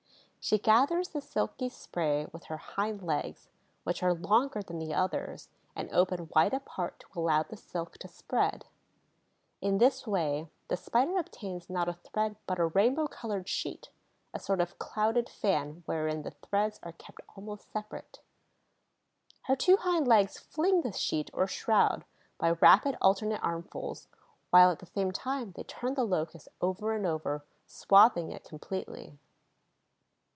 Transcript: She gathers the silky spray with her hind legs, which are longer than the others and open wide apart to allow the silk to spread. In this way the Spider obtains not a thread but a rainbow colored sheet, a sort of clouded fan wherein the threads are kept almost separate. Her two hind legs fling this sheet, or shroud, by rapid alternate armfuls, while, at the same time, they turn the Locust over and over, swathing it completely.